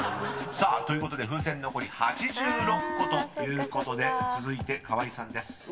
［さあということで風船残り８６個ということで続いて河井さんです］